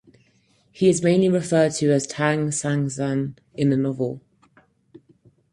He is mainly referred to as Tang Sanzang in the novel.